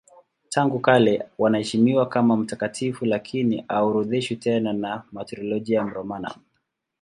Tangu kale wanaheshimiwa kama mtakatifu lakini haorodheshwi tena na Martyrologium Romanum.